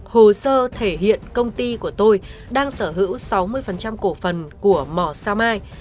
hồ sơ thể hiện công ty của tôi đang sở hữu sáu mươi cổ phần của mỏ sao mai